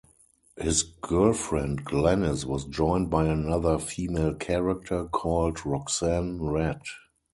His girlfriend Glenis was joined by another female character called Roxanne Rat.